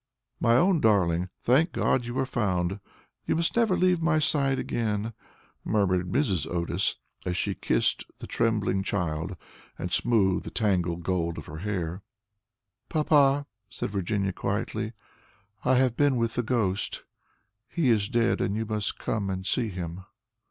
"My own darling, thank God you are found; you must never leave my side again," murmured Mrs. Otis, as she kissed the trembling child, and smoothed the tangled gold of her hair. "Papa," said Virginia, quietly, "I have been with the ghost. He is dead, and you must come and see him.